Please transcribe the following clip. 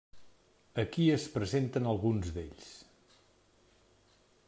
Aquí es presenten alguns d'ells.